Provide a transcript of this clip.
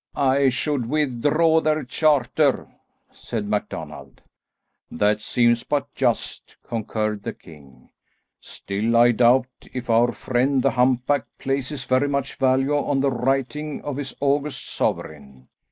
"I should withdraw their charter," said MacDonald. "That seems but just," concurred the king, "still, I doubt if our friend the humpback places very much value on the writing of his august sovereign.